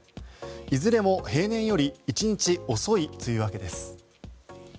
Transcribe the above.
いずれも平年より１日遅い梅雨明けです。